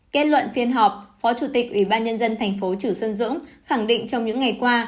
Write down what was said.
kết luận phiên họp phó chủ tịch ủy ban nhân dân thành phố chử xuân dũng khẳng định trong những ngày qua